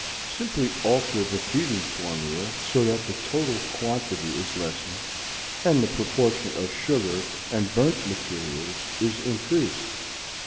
Simply alter the feeding formula so that the total quantity is lessened and the proportion of sugar and burnt materials is increased.